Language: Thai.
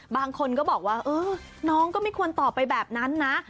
บางคนก็บอกว่าเออน้องก็ไม่ควรตอบไปแบบนั้นนะ